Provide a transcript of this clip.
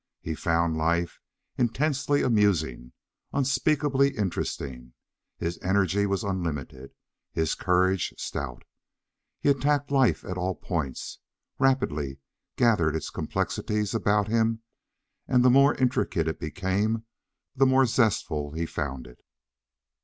He found life intensely amusing, unspeakably interesting; his energy was unlimited, his courage stout. He attacked life at all points, rapidly gathered its complexities about him, and the more intricate it became the more zestful he found it.